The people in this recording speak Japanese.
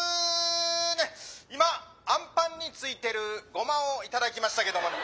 今あんパンについてるごまを頂きましたけどもね」。